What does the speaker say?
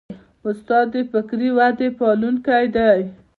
استاد د فکري ودې پالونکی دی.